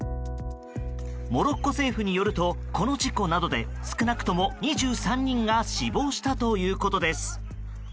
モロッコ政府によるとこの事故などで少なくとも２３人が死亡したということです。